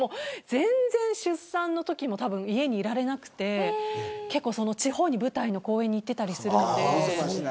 出産のときも家にいられなくて地方に舞台の公演に行っていたりするので。